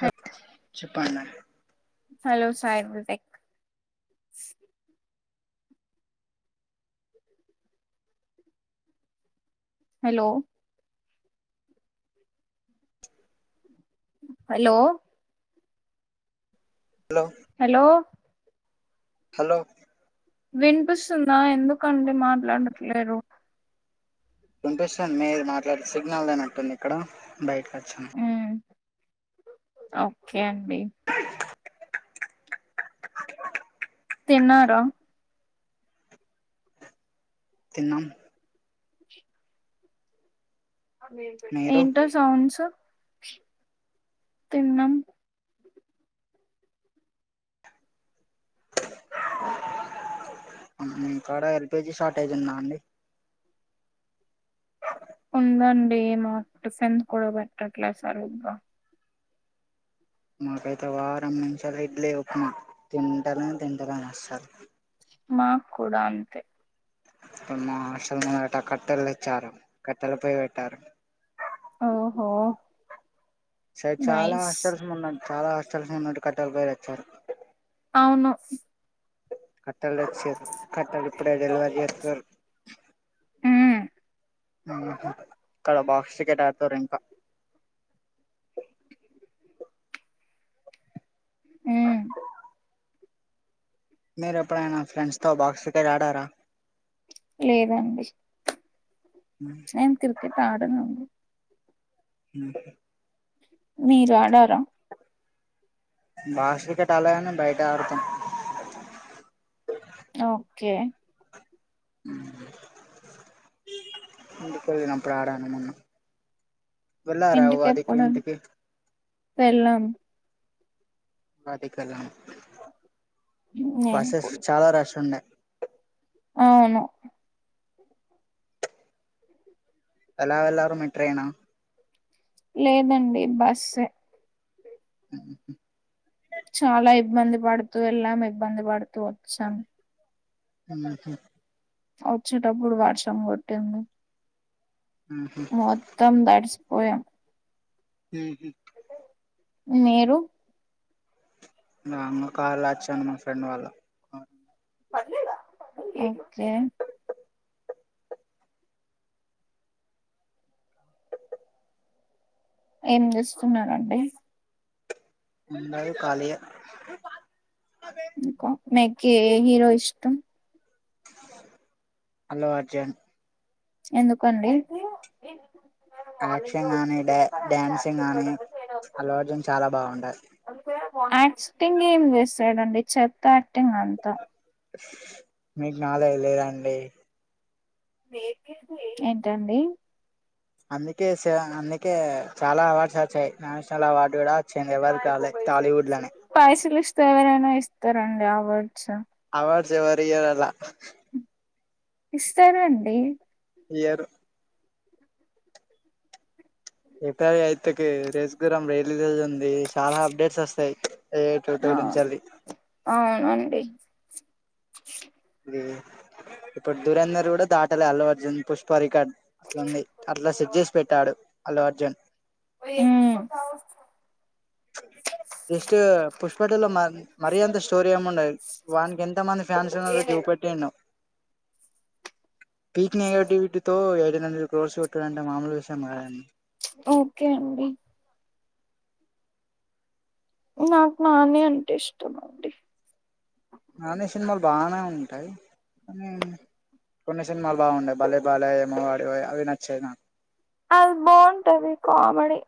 హ చెప్పండి hello Sairuddhik. Hello hello hello hello hello వినిపిస్తుందా, ఎందుకండి మాట్లాడట్లేరు. ఉంటే సార్ మీరు మాట్లాడే సిగ్నల్ లేనట్టుంది ఉంటుంది ఇక్కడ బయటకి వచ్చాను. మ్మ్ ఓకే అండి తిన్నార తిన్నాం మీరు ఎంటో సౌండ్సు ఉప్చ్ తిన్నం [unintelligible] మీకడా ఎల్పిజీ షార్టేజ్ ఉందా అండి. ఉందండి మాకు టిఫన్ కూడా పెట్టట్లే సరిగ్గా. మాకైతే వారం నుంచి అదే ఇడ్లి, ఉప్మా తింటానే తింటలేదు అస్సలు. మాకు కూడా అంతే ఇప్పుడు మా హాస్టల్ లో కట్టెలుతేచ్చారు కట్టెలపొయ్యి పెట్టారు. ఓహో సరే చాలా నైస్ ఆశ్చర్యం ఉందన్ చాలా హాస్టల్స్ నిన్న కట్టల పొయ్యి తెచ్చారు. అవును కట్టలు తెచ్చారు, కట్టలు ఇప్పుడే డెలివరీ చేస్తారు మ్మ్ అ బా క్రికెట్ ఆడతారు ఇంకా ఊ మీరు ఎప్పుడైనా ఫ్రెండ్స్ తో బాక్స్ క్రికెట్ ఆడారా. లేదండి నేను క్రికెట్ ఆడను హ మీరు ఆడారా బాక్స్ క్రికెట్ ఆడలేదు, గాని బయట ఆడుతాం. ఓకే - [unintelligible] అందుకోలేనప్పుడు ఆడాను మొన్న వెళ్ళారా ఉగాదికి ఇంటికి. వెళ్లామ్ ఉగాదికి కదా నేను బస్సెస్ కూడా చాలా రష్ ఉన్నాయి. అవును ఎలా వెళ్లారు మీరు ట్రైయిను లేదండి బస్సే. ఆ చాలా ఇబ్బంది పడుతూ వెళ్ళాం, ఇబ్బంది పడుతూ వచ్చాం. హు హు వచ్చేటప్పుడు వర్షం కొట్టింది. ఉహు మొత్తం తడిసి పోయా హు హు మీరు నమ్మా కార్ లో వచ్చాను మా ఫ్రెండ్ వాళ్ళ ఏమీ అయింది ఏం చేస్తున్నారండి ఉన్నాయ్ ఖాళీయే మీకి ఏ హీరో ఇష్టం అల్లు అర్జున్ ఎందుకండి యాక్షన్ గానీ డా డాన్సింగ్ గానీ అల్లు అర్జున్ చాలా బాగుంటది యాక్టింగ్ ఎ ఇన్వెస్ట్ లేదండి చెత్త యాక్టింగ్ అంతా. మీకు నాలెడ్జ్ లేదా అండి. ఏంటండి అందుకే అందుకే చాలా అవార్డ్స్ వచ్చాయి నేషనల్ అవార్డ్ పైసలు ఇస్ తేవరైనా ఇస్తారండి అవార్డ్స్ అవార్డ్స్ ఎవరి ఇయలా ఇస్తారండి ఇయర్ ఇక ఎయిత్ కి రేసుగుర్రం రిలీజ్ ఉంద్ అది చాలా అప్డేట్స్ వస్తాయి యూట్యూబ్ల ఆ నుంచి ఏ అవునండి ఇప్పుడు దురంధర్ కూడా దాటలే అల్లు అర్జున్ పుష్పరిక అట్లుంది అట్లా సెట్ చేసి పెట్టాడు అల్లు అర్జున్ ఉమ్ ఇస్ పుష్పటులో మ మరియంత స్టోరి ఏమి ఉండదు వానికి ఎంత మంది ఫ్యాన్స్ ఉన్నారో చూపెట్టిండు పీక్ నెగటివిటీతో ఎయిన్ హండెడ్ క్రోర్స్ కొట్టాడంటే మామూలు విషయ కాదండి. ఓకే అండి నాకు నాని అంటే ఇష్టం అండి నానీ సినిమాలు బానే ఉంటాయి కానీ కొన్ని సినిమాలు బాగుండేవ్ బలే బలే మగాదేవోయ్ అవి నచ్చాయి నాకు అది బాగుంటది కామెడి.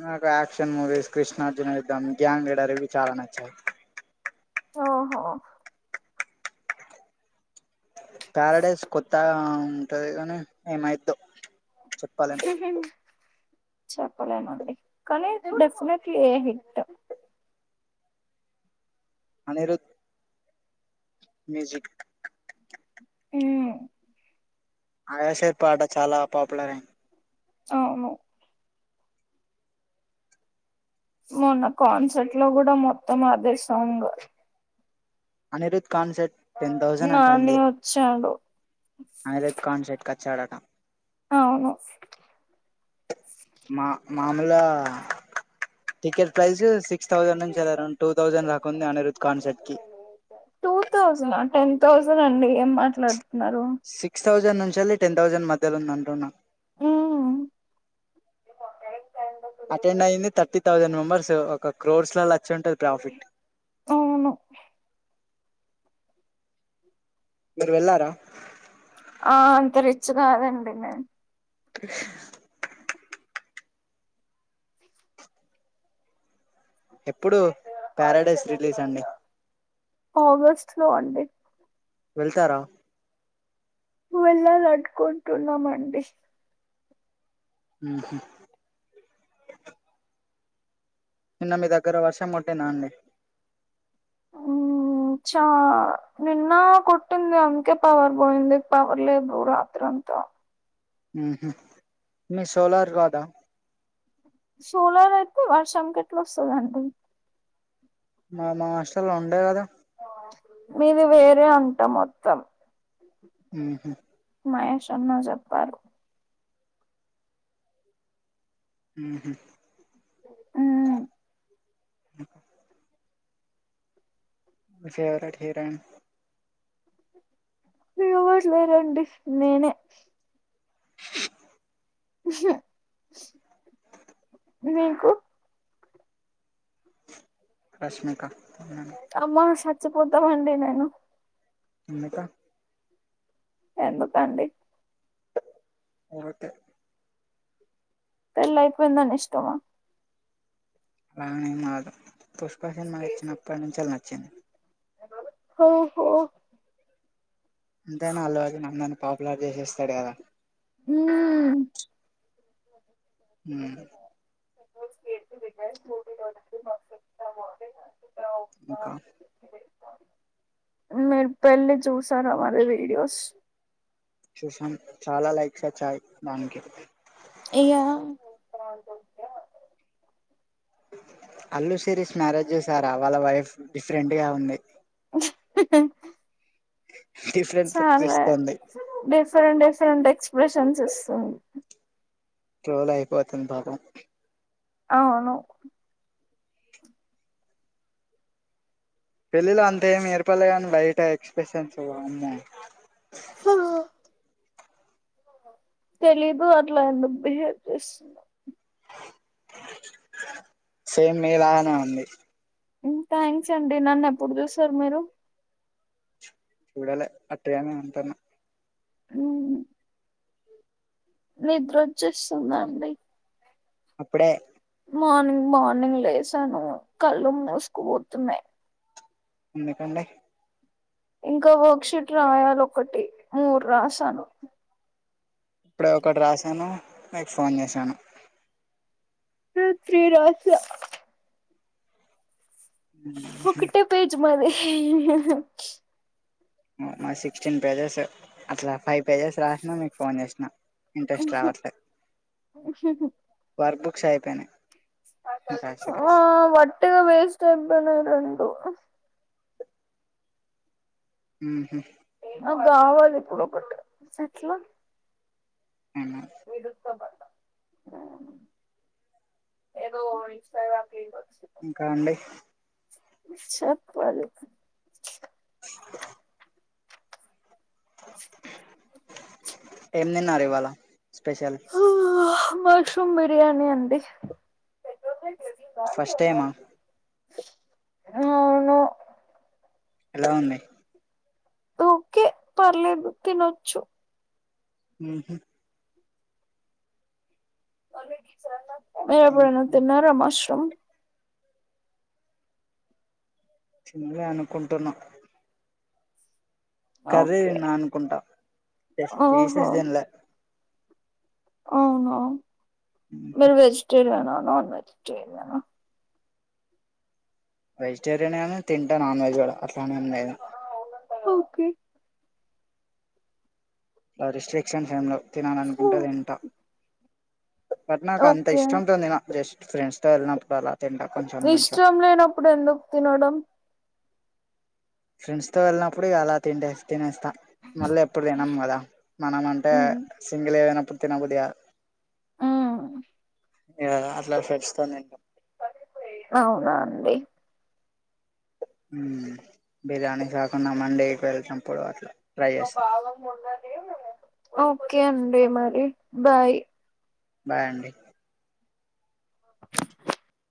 నాకు యాక్షన్ మూవీస్ కృష్ణార్జున ఇద్దాం గ్యాంగ్ లీడర్ ఇవి చాలా నచ్చాయి. ఓహో ప్యారాడైస్ కొత్తగా ఉంటది కాని ఏమైద్దో చెప్పలేం చెప్పలేమండి కానీ డెఫినెట్లీ ఏ హిటో అనిరుద్ మ్యూజిక్ ఉ ఆయాషర్ పాట చాలా పాపులర్ అయింది అవును మొన్న కాన్సర్ట్ లో కూడా మొత్తం అదే song Anirudh concert ten Nani వచ్చాడు అనేధర్ కన్సెట్ కచ్చాడట అవును మా మామూలుగా ticket price six thousand నుంచి అరౌండ్ టూ థౌజండ్ రాకుంది అనిరుద్ కాన్సెట్ కి టూ థౌజండ్ టెన్ థౌసండ్ అండి ఎం మాట్లాడుతున్నారు చలి టెన్ థౌజండ్ మధ్యలో ఉంది అంటున్న హ్మ్ [unintelligible] పర్సు ఒక క్రోర్స్ లా లచ్చుంటది ప్రాఫిట్ అవును మీరు వెళ్ళారా ఆ అంత రిచ్ కాదండి నేను [inaudible] ఎప్పుడు ప్యారాడైస్ రిలీజ్ అండి ఆగస్ట్ లో అండి వెళ్తారా వెళ్లాలనుకుంటున్నామండి. ఉహు నిన్న మీ దగ్గర వర్షం కొట్టిందా అండి చా నిన్న కొట్టింది అందుకే పవర్ పోయింది పవర్ లేదు రాత్ర అంతా ఉహు మీ సోలారు కాదా సోలార్ అయితే వర్షంక ఎట్లా వస్తదండి మా మా హస్టల్లో ఉండే కదా మీది వేరే అంటా మొత్తం ఉహు మహేష్ అన్న చెప్పారు ఉహు ఉం [inaudible] ఫేవరెట్ హీరోయిన్ ఎవరూ లేరండి నేనే [inaudible] [inaudible] మీకు రష్మిక అవునా అమసా పోతామండి నేను ఇంకా ఎందుకండి [unintelligible] పెళ్లయిపోయిందన ఇష్టమా [unintelligible] పుష్ప సినిమా తెచ్చినప్పటించెల్లి నచ్చింది ఓహో అంతేనా అల్లు అర్జున్ అన్నని పాపులర్ వేసేస్తాడు గదా మ్మ్. హ్మ్ [unintelligible] ఇంకా మీరు పెళ్ళి చూసార వాళ్ళ వీడియోస్ చూసాను చాలా లైక్స్ వచ్చాయి దానికి ఇగ అల్లు శిరీస్ మ్యారేజ్ చూసారా వాళ్ళ వైఫ్ డిఫరెంట్ గా ఉంది డిఫరెంట్ లుక్స్ సరే ఇస్తుంది డిఫరెంట్ డిఫరెంట్ ఎక్స్ ప్రెషన్స్ ఇస్తుంది ట్రోల్ అయిపోతుంది పాపం అవును పెళ్ళిలో అంత ఏం ఏర్పల్లే కానీ బయట ఎక్స్ప్రెషన్స్ వామ్మో ఫా తెలీదు అట్ల ఎందుకు బిహేవ్ చేస్తుందో సేమ్ మీలాగనే ఉంది ఉమ్ థ్యాంక్స్ అండి నన్ను ఎప్పుడు చూసారు మీరు చూడలే అట్టిగానే అంటన్న అన్ నిద్రోచ్చేస్తుందండి అప్పుడే మార్నింగ్ మార్నింగ్ లేసాను కళ్ళు మూసుకుపోతున్నాయి ఎందుకండి ఇంకో వర్క్ షూట్ రాయాలి ఒకటి మూరు రాసాను ఇప్పుడే ఒకటి రాసాను మీకు ఫోన్ చేసాను నేన్ త్రీ రాసా ఒకటే పేజ్ మాది మాది సిక్స్టీన్ పేజెస్ అట్లా ఫైవ్ పేజెస్ రాసిన మీకు ఫోన్ చేసినా ఇంట్రెస్ట్ రావట్లే వర్బ్ క్షాయిపోయినయ్ ఆ వట్టిగా వేస్ట్ అయిపోయినయ్ రేండు మ్ నాకు కావాలి ఇప్పుడు ఒకటి ఎట్లా విడుస్తాబా ఏదో ఇంస్టాగ్రామ్ [unintelligible] ఇంకా అండి చెప్పాలి [inaudible] [unintelligible] ఏం తిన్నారు వల స్పెషల్ మష్రూమ్ బిర్యానీ అండి ఫస్ట్ టైం ఆహ్ అ అవును ఎలా ఉంది ఓకే పర్లేదు తినొచ్చు హ్మ్ హు [unintelligible] మీరు ఎప్పుడైనా తిన్నారా మష్ చిన్నగా అనుకుంటున్నా కర్రీ ఓకే తిన్నానుకుంటా [unintelligible] పీసెస్ ఓహో తీసేసి తినలే అవునా మీరు వెజిటేరియనా నాన్ వెజిటేరియన వెజిటేరియనే గాని తింట నాన్ వెజ్ కుడా అట్ల పని ఏం లేదా ఓకే ఆ రిస్ట్రిక్షన్స్ ఏం లేవ్ తినాల అనుకుంటే తింటా బట్ నాక్ అంత ఓకే ఇష్టం తో తినా జస్ట్ ఫ్రెండ్స్ తో వెళ్లినప్పుడు అలా తింటా కొంచెం కొంచెం ఇష్టం లేనప్పుడు ఎందుకు తినడం ఫ్రెండ్స్ తో వెళ్ళినప్పుడు అలా తింటె తినేస్తా మళ్ళీ ఎప్పుడు తినం కదా మనం అంటే సింగిల్ ఏదైనా తినబుద్ధి కాదు ఆ ఆ అట్లా ఫ్రెండ్స్‌తోని తింటం అవునా అండి హ్మ్ బిర్యానీ కాకుండా మండీకి వెళ్లినప్పుడు అట్లా ట్రై చేస్తాం ఓకే అండి మరి బాయ్ బాయ్ అండి